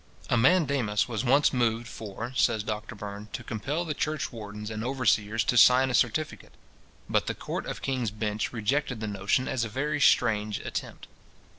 A mandamus was once moved for, says Doctor Burn, to compel the church wardens and overseers to sign a certificate; but the Court of King's Bench rejected the motion as a very strange attempt.